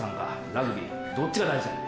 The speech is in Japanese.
ラグビーどっちが大事やねん。